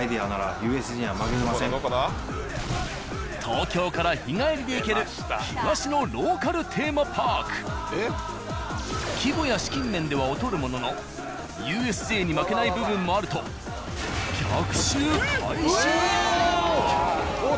東京から日帰りで行ける規模や資金面では劣るもののＵＳＪに負けない部分もあると逆襲開始！